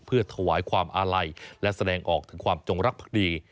เพื่อถวายความอาลัยและแสดงออกถึงความจงรักภักดี